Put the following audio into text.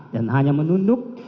dan hanya menunduk